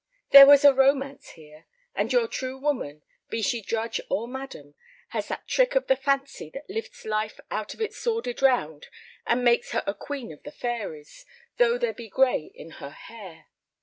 There was a romance here, and your true woman, be she drudge or madam, has that trick of the fancy that lifts life out of its sordid round and makes her a queen of the fairies, though there be gray in her hair.